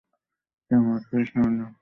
তিনি মূলত খ্রিস্টান ধর্মালম্বী।